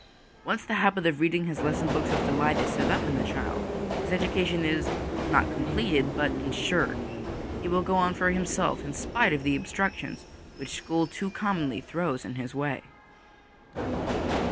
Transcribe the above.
Once the habit of reading his lesson books with delight is set up in a child, his education is not completed, but ensured ; he will go on for himself in spite of the obstructions which school too commonly throws in his way.